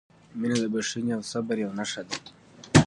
• مینه د بښنې او صبر یوه نښه ده.